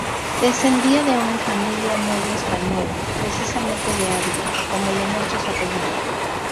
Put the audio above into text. Descendía de un familia noble española, precisamente de Ávila, como lo muestra su apellido.